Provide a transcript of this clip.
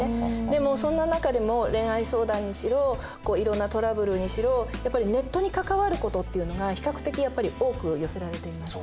でもそんな中でも恋愛相談にしろいろんなトラブルにしろやっぱりネットに関わることっていうのが比較的やっぱり多く寄せられています。